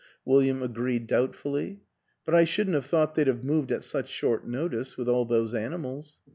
" William agreed doubtfully. " But I shouldn't have thought they'd have moved at such short notice with all those animals.